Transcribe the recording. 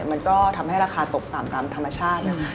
มันก็ทำให้ราคาตกต่ำตามธรรมชาติ